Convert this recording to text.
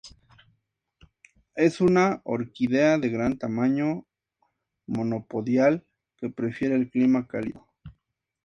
Es una orquídea de gran tamaño, monopodial, que prefiere el clima cálido.